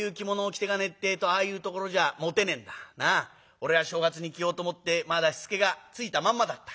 俺が正月に着ようと思ってまだしつけがついたまんまだった。